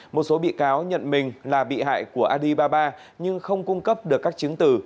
một số bị cao nhận mình là bị hại của alibaba nhưng không cung cấp được các chứng từ